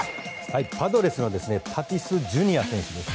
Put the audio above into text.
パドレスのタティス・ジュニア選手です。